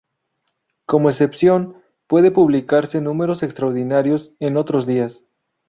Como excepción, pueden publicarse números extraordinarios en otros días.